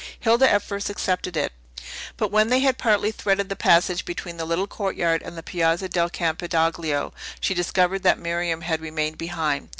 Hilda at first accepted it; but when they had partly threaded the passage between the little courtyard and the Piazza del Campidoglio, she discovered that Miriam had remained behind.